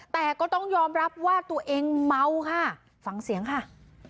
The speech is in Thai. แต่ก็ต้องยอมรับว่าตัวเองเมาค่ะฟังเสียงค่ะ